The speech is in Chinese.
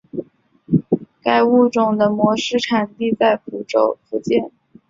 该物种的模式产地在福建。